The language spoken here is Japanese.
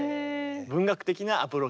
文学的なアプローチで。